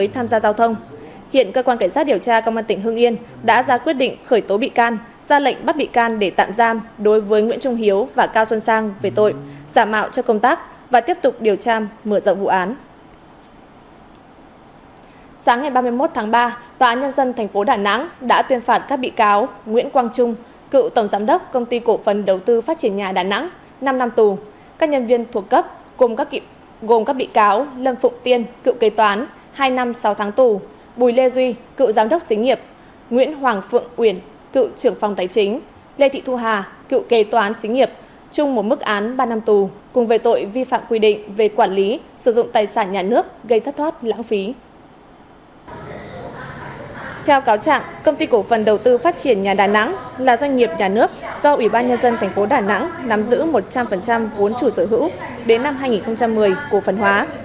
theo cáo trạng công ty cổ phần đầu tư phát triển nhà đà nẵng là doanh nghiệp nhà nước do ủy ban nhân dân tp đà nẵng nắm giữ một trăm linh vốn chủ sở hữu đến năm hai nghìn một mươi cổ phần hóa